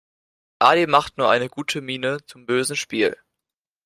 Ali macht nur eine gute Miene zum bösen Spiel.